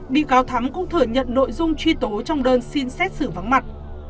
bị cáo thắng cũng thừa nhận nội dung truy tố trong đơn xin xét xử vắng mặt